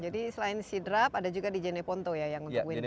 jadi selain c drap ada juga di jeneponto ya yang untuk wind farm ini